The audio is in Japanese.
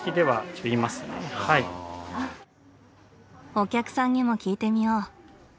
お客さんにも聞いてみよう。